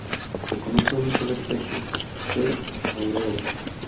Se conoce una sola especie, "C. aureus".